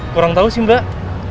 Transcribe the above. kurang tau sih mbak